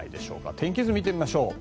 天気図を見てみましょう。